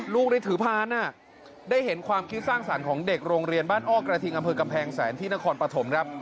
ลูกได้ถือพานได้เห็นความคิดสร้างสรรค์ของเด็กโรงเรียนบ้านอ้อกระทิงอำเภอกำแพงแสนที่นครปฐมครับ